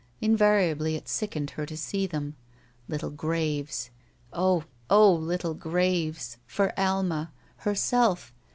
Invariably it sickened her to see them. Little graves. Oh! oh! little graves! For Alma. Herself.